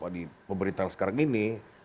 di pemberitaan sekarang ini